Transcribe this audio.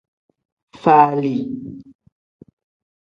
Faali.